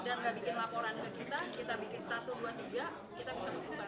kalau dia tidak punya banyak kompetisi dan tidak bikin laporan ke kita kita bikin satu dua tiga kita bisa mencuba